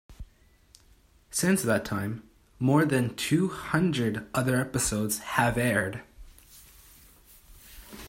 Since that time more than two hundred other episodes have aired.